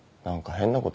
変なこと？